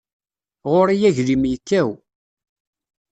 Ɣur-i aglim yekkaw.